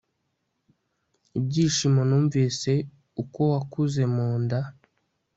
ibyishimo numvise uko wakuze munda